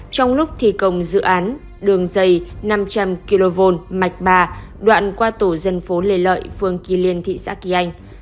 trong lúc thi công dự án đường dây năm trăm linh kv mạch ba đoạn qua tổ dân phố lê lợi phường kỳ liên thị xã kỳ anh